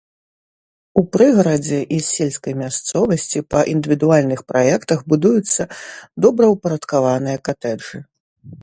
У прыгарадзе і сельскай мясцовасці па індывідуальных праектах будуюцца добраўпарадкаваныя катэджы.